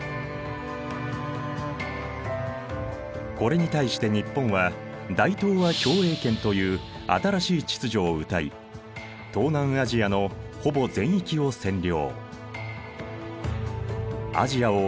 これに対して日本は大東亜共栄圏という新しい秩序をうたい東南アジアのほぼ全域を占領。